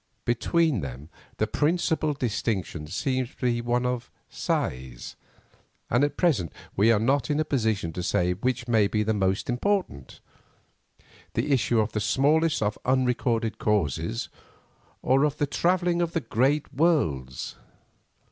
Between them the principal distinction seems to be one of size, and at present we are not in a position to say which may be the most important, the issue of the smallest of unrecorded causes, or of the travelling of the great worlds.